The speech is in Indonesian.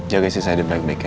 jaga istri saya di bag bag ya